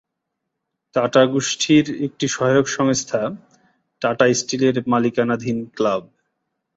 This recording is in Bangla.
টাটা গোষ্ঠীর একটি সহায়ক সংস্থা টাটা স্টিলের মালিকানাধীন ক্লাব।